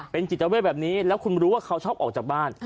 เป็นจิตเวทแบบนี้แล้วคุณรู้ว่าเขาชอบออกจากบ้าน